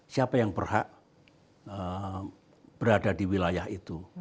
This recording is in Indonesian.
siapa yang berhak berada di wilayah itu